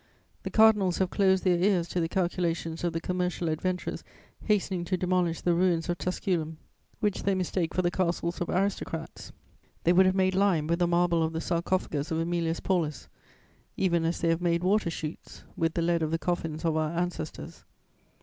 The cardinals have closed their ears to the calculations of the commercial adventurers hastening to demolish the ruins of Tusculum, which they mistake for the castles of aristocrats: they would have made lime with the marble of the sarcophagus of Æmilius Paulus, even as they have made water shoots with the lead of the coffins of our ancestors.